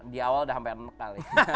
di awal udah sampai nek kali